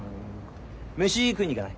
飯食いに行かない？